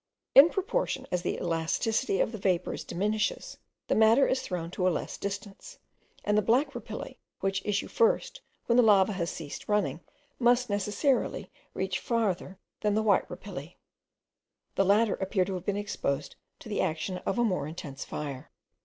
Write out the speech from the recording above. In proportion as the elasticity of the vapours diminishes, the matter is thrown to a less distance; and the black rapilli, which issue first, when the lava has ceased running, must necessarily reach farther than the white rapilli. The latter appear to have been exposed to the action of a more intense fire.